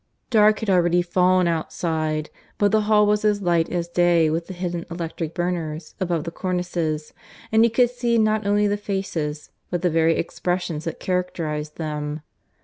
... Dark had already fallen outside, but the hall was as light as day with the hidden electric burners above the cornices, and he could see not only the faces, but the very expressions that characterized them.